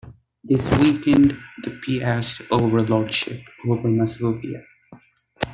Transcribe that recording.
This weakened the Piast overlordship over Masovia.